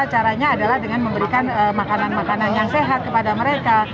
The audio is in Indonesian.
caranya adalah dengan memberikan makanan makanan yang sehat kepada mereka